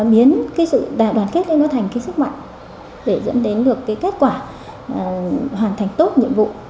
biến cái sự đoàn kết lên nó thành cái sức mạnh để dẫn đến được cái kết quả hoàn thành tốt nhiệm vụ